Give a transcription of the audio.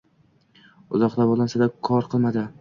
Uzoq davolansa-da, kor qilmadi